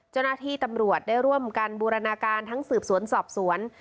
เจ้าหน้าที่ตำรวจได้ร่วมกันบูรณาการทั้งสืบสวนสอบสวน